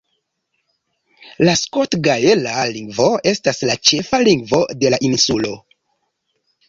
La skotgaela lingvo estas la ĉefa lingvo de la insulo.